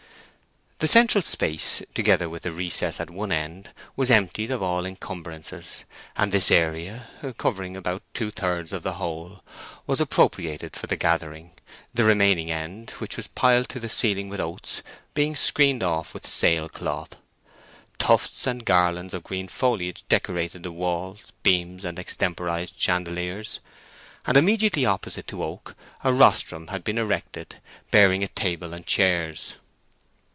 The central space, together with the recess at one end, was emptied of all incumbrances, and this area, covering about two thirds of the whole, was appropriated for the gathering, the remaining end, which was piled to the ceiling with oats, being screened off with sail cloth. Tufts and garlands of green foliage decorated the walls, beams, and extemporized chandeliers, and immediately opposite to Oak a rostrum had been erected, bearing a table and chairs.